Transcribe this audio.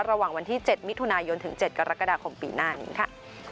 ระหว่างวันที่๗มิตรทุนายนถึง๗กรกฎาคมปีหน้านี้ค่ะ